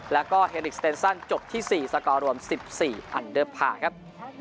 แล้วก็เฮลิกสเตนซันจบที่๔สกอร์รวม๑๔อันเดอร์พาร์ครับ